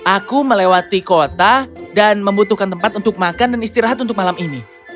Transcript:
aku melewati kota dan membutuhkan tempat untuk makan dan istirahat untuk malam ini